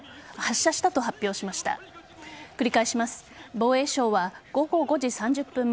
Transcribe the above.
防衛省は、午後５時３０分前